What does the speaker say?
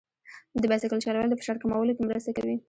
د بایسکل چلول د فشار کمولو کې مرسته کوي.